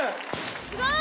すごい。